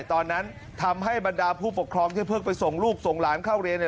ตอนนั้นทำให้บรรดาผู้ปกครองที่เพิ่งไปส่งลูกส่งหลานเข้าเรียนเนี่ย